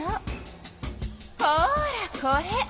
ほらこれ！